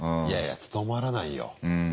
つとまらないよ